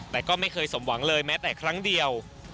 แต่ก็ไม่เคยสมหวังเลยแม้แต่ครั้งเดียว